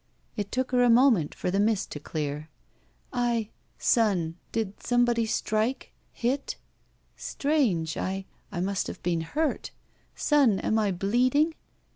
It took her a moment for the mist to dear. '* I — Son — did somebody strike ? Hit ? Strange. I — I must have been hurt. Son, am I bleeding?"